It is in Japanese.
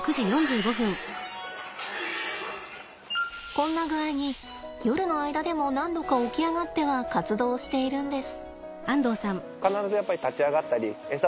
こんな具合に夜の間でも何度か起き上がっては活動しているんです。